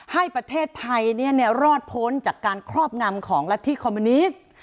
ให้ประเทศไทยรอดพ้นจากการครอบงำของรัฐธิคอมมิวนิสต์